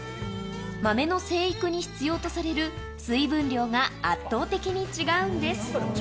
豆の生育に必要とされる水分量が圧倒的に違うんです。